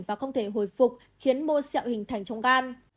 và không thể hồi phục khiến mô xẹo hình thành trong gan